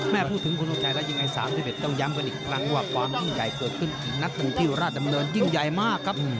พูดถึงคุณทงชัยแล้วยิงไอ้๓๑ต้องย้ำกันอีกครั้งว่าความยิ่งใหญ่เกิดขึ้นอีกนัดหนึ่งที่ราชดำเนินยิ่งใหญ่มากครับ